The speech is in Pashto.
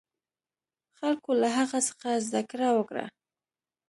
خلکو له هغه څخه زده کړه وکړه.